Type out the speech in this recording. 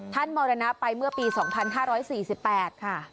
ท่านมรณาไปเมื่อปี๒๕๔๘ค่ะ